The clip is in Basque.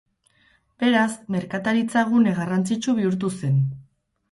Beraz, merkataritza-gune garrantzitsu bihurtu zen.